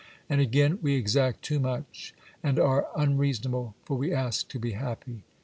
And again :" We exact too much and are unreasonable, for we ask to be happy."